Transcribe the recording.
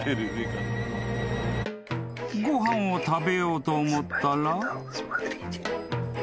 ［ご飯を食べようと思ったら］